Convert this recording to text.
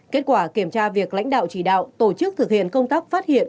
kết quả kiểm tra việc lãnh đạo chỉ đạo tổ chức thực hiện công tác phát hiện